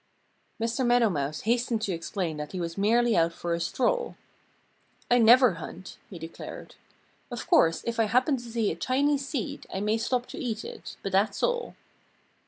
Mr. Meadow Mouse hastened to explain that he was merely out for a stroll. "I never hunt," he declared. "Of course, if I happen to see a tiny seed I may stop to eat it. But that's all."